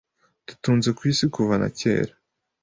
Dutunze ku isi kuva na kera